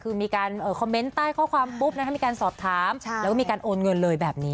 คือมีการคอมเมนต์ใต้ข้อความปุ๊บมีการสอบถามแล้วก็มีการโอนเงินเลยแบบนี้